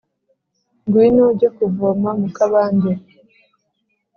Ngwino ujye kuvoma mu kabande